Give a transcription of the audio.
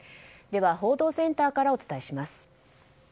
では報道センターからお伝えします。